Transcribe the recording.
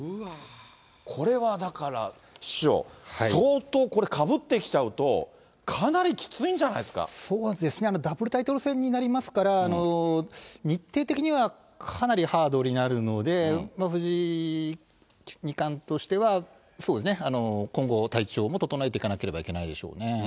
これはだから師匠、相当これ、かぶってきちゃうと、かなりきついそうですね、ダブルタイトル戦になりますから、日程的にはかなりハードになるので、藤井二冠としては、そうですね、今後、体調も整えていかなければいけないでしょうね。